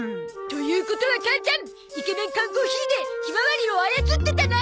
ということは母ちゃんイケメン缶コーヒーでひまわりを操ってたな！